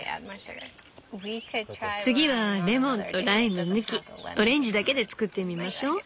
次はレモンとライム抜きオレンジだけで作ってみましょう。